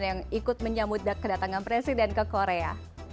yang ikut menyambut kedatangan presiden ke korea